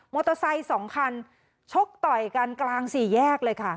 มอเตอร์ไซค์สองคันชกต่อยกันกลางสี่แยกเลยค่ะ